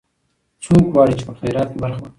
څوک غواړي چې په خیرات کې برخه واخلي؟